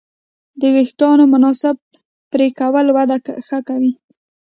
د وېښتیانو مناسب پرېکول وده ښه کوي.